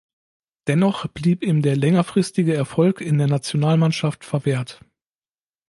Dennoch blieb ihm der längerfristige Erfolg in der Nationalmannschaft verwehrt.